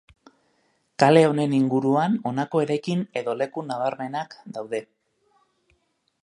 Kale honen inguruan honako eraikin edo leku nabarmenak daude.